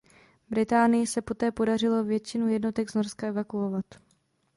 Británii se poté podařilo většinu jednotek z Norska evakuovat.